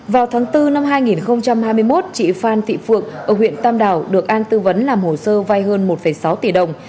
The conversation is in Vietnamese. vào tháng bốn năm hai nghìn hai mươi một chị phan thị phượng ở huyện tam đảo được an tư vấn làm hồ sơ vai hơn một sáu tỷ đồng